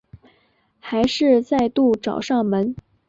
还是再度找上门